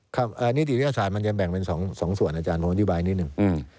นิติวิทยาศาสตร์มันจะแบ่งเป็นสองส่วนอาจารย์ผมอธิบายนิดหนึ่ง